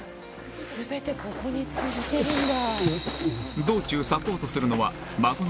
全てここに通じてるんだ。